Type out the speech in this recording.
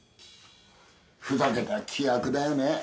ふざけた規約だよね。